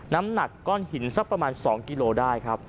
น้ำหนักก้อนหินสักประมาณ๒กิโลได้ครับ